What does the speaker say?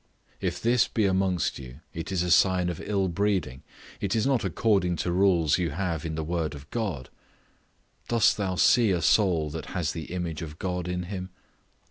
If this be amongst you, it is a sign of ill breeding, it is not according to rules you have in the Word of God. Dost thou see a soul that has the image of God in him?